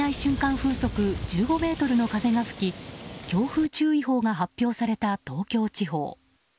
風速１５メートルの風が吹き強風注意報が発表された東京地方。